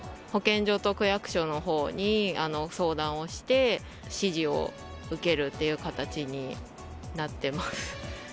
保健所と区役所のほうに相談をして、指示を受けるっていう形になってます。